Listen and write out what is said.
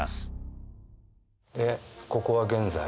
でここは現在。